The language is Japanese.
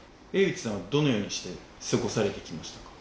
Ａｗｉｃｈさんは、どのようにして過ごされてきましたか。